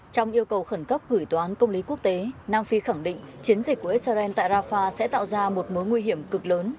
trong yêu cầu khẩn cấp gửi tòa án công lý quốc tế nam phi khẳng định chiến dịch của israel tại rafah sẽ tạo ra một mối nguy hiểm cực lớn